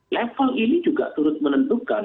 level ini juga turut menentukan